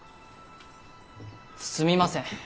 すみません。